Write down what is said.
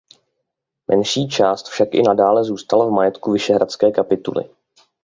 Menší část však i nadále zůstala v majetku Vyšehradské kapituly.